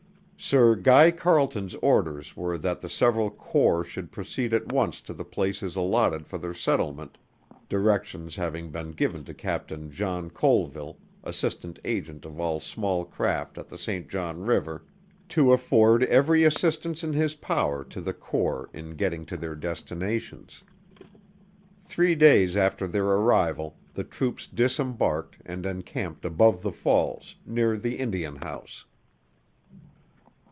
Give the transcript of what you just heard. Sir Guy Carleton's orders were that the several corps should proceed at once to the places allotted for their settlement, directions having been given to Captain John Colville, assistant agent of all small craft at the St. John River, to afford every assistance in his power to the corps in getting to their destinations. Three days after their arrival the troops disembarked and encamped above the Falls, near the Indian House.